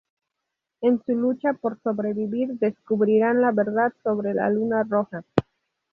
En su lucha por sobrevivir, descubrirán la verdad sobre la Luna Roja.